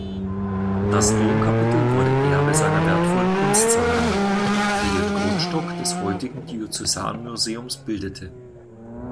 Das Domkapitel wurde Erbe seiner wertvollen Kunstsammlung, die den Grundstock des heutigen Diözesanmuseums bildete.